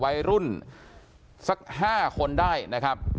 วัยรุ่นสัก๕คนได้นะครับ